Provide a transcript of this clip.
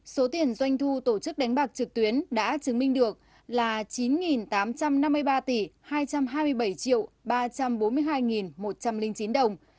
số tiền doanh thu tổ chức đánh bạc trực tuyến đã chứng minh được là chín tám trăm năm mươi ba tỷ hai trăm hai mươi bảy ba trăm bốn mươi hai một trăm linh chín đồng